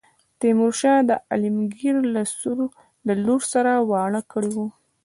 تیمور شاه عالمګیر له لور سره واړه کړی وو.